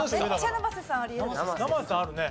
生瀬さんあるね。